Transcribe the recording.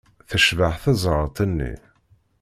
Tecbeḥ tezrart-nni.